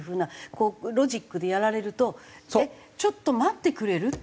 こうロジックでやられるとえっちょっと待ってくれる？って。